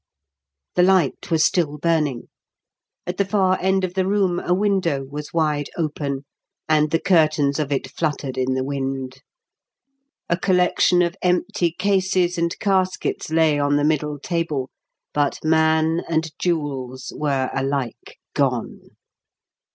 The light was still burning. At the far end of the room a window was wide open, and the curtains of it fluttered in the wind. A collection of empty cases and caskets lay on the middle table, but man and jewels were alike gone!